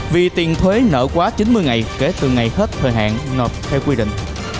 vì tiền thuế nợ quá chín mươi ngày kể từ ngày hết thời hạn nộp theo quy định